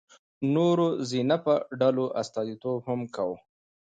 نورو ذینفع ډلو استازیتوب هم کاوه.